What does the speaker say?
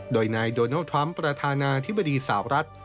โดยนายโดนัลดทรัมป์ประธานาธิบดีสาวรัฐ